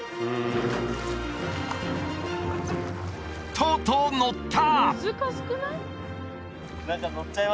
とうとう乗った！